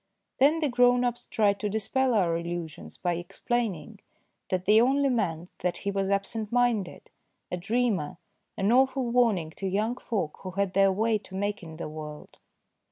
Then the grown ups tried to dispel our illusions by explaining that they only meant that he was absent minded, a dreamer, an awful warning to young folk 197 198 THE DAY BEFOEE YESTERDAY who had their way to make in the world.